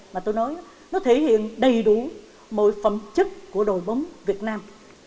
mà tôi nói nó thể hiện đầy đủ mỗi phẩm chất của đội bóng việt nam